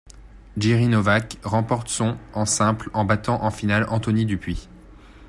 Jiří Novák remporte son en simple en battant en finale Antony Dupuis.